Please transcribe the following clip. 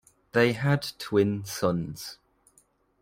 They had twin sons.